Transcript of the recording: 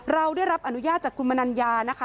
เราได้รับอนุญาตจากคุณมนัญญานะคะ